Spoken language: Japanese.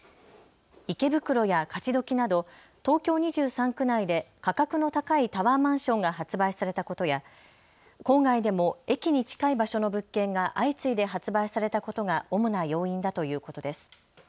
池袋や勝どきなど東京２３区内で価格の高いタワーマンションが発売されたことや郊外でも駅に近い場所の物件が相次いで発売されたことが主な要因だということです。